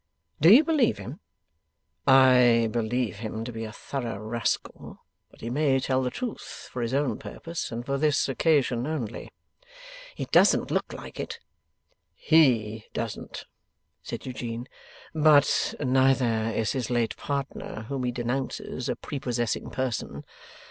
'Do you believe him?' 'I believe him to be a thorough rascal. But he may tell the truth, for his own purpose, and for this occasion only.' 'It doesn't look like it.' 'HE doesn't,' said Eugene. 'But neither is his late partner, whom he denounces, a prepossessing person.